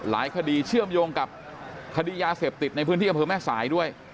คดีเชื่อมโยงกับคดียาเสพติดในพื้นที่อำเภอแม่สายด้วย